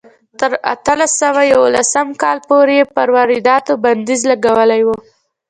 تر اتلس سوه یوولس کاله پورې یې پر وارداتو بندیز لګولی و.